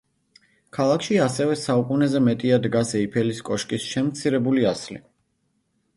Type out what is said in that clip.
ქალაქში ასევე საუკუნეზე მეტია დგას ეიფელის კოშკის შემცირებული ასლი.